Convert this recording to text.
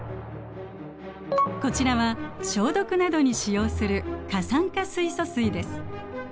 こちらは消毒などに使用する過酸化水素水です。